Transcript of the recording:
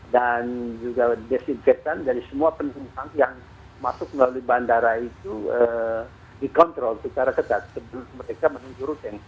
dan juga desinfektan dari semua penyusupan yang masuk melalui bandara itu dikontrol secara ketat sebelum mereka menuju rute